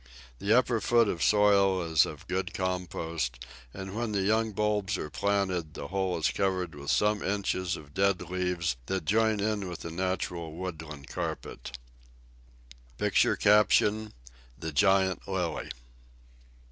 The upper foot of soil is of good compost, and when the young bulbs are planted, the whole is covered with some inches of dead leaves that join in with the natural woodland carpet. [Illustration: THE GIANT LILY.